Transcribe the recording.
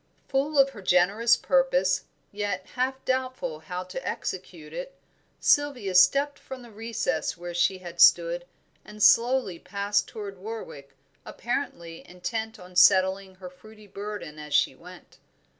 Full of her generous purpose, yet half doubtful how to execute it, Sylvia stepped from the recess where she had stood, and slowly passed toward Warwick, apparently intent on settling her fruity burden as she went.